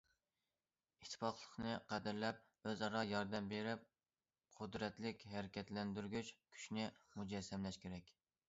ئىتتىپاقلىقنى قەدىرلەپ، ئۆزئارا ياردەم بېرىپ، قۇدرەتلىك ھەرىكەتلەندۈرگۈچ كۈچنى مۇجەسسەملەش كېرەك.